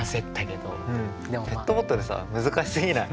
でもペットボトルさ難しすぎない？